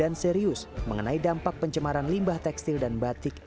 anak anak di sana terkena batik